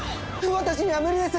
私には無理です